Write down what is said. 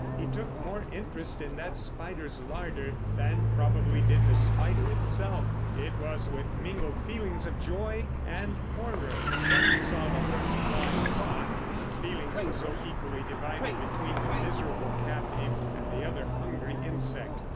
He took more interest in that spider's larder than probably did the spider itself; it was with mingled feelings of joy and horror that he saw the first fly caught—his feelings were so equally divided between the miserable captive and the other hungry insect.